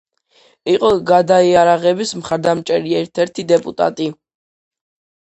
იყო „გადაიარაღების“ მხარდამჭერი ერთ-ერთი დეპუტატი.